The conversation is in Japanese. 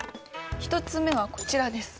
１つ目はこちらです。